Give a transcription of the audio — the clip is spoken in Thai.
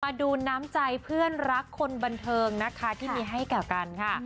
มาดูน้ำใจเพื่อนรักคนบันเทิงนะคะที่มีให้แก่กันค่ะ